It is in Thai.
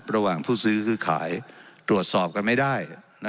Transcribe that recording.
ระหว่างผู้ซื้อคือขายตรวจสอบกันไม่ได้